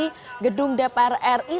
menjauhi gedung dpr ri